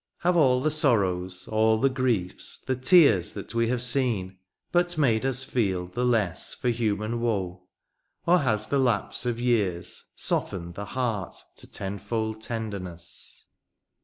Have all the sorrows, all the griefs, the tears That we have seen, but made us feel the less For himian woe; or has the lapse of years Softened the heart to tenfold tenderness